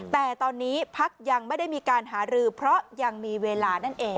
แต่ตอนนี้พักยังไม่ได้มีการหารือเพราะยังมีเวลานั่นเอง